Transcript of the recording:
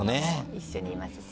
一緒にいますし。